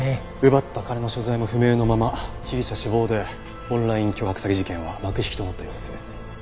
奪った金の所在も不明のまま被疑者死亡でオンライン巨額詐欺事件は幕引きとなったようです。